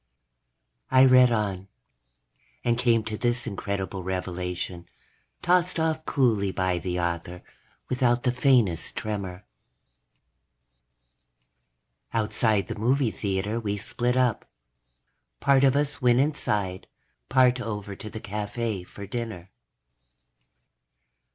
I read on. And came to this incredible revelation, tossed off coolly by the author without the faintest tremor: _... outside the movie theater we split up. Part of us went inside, part over to the cafe for dinner.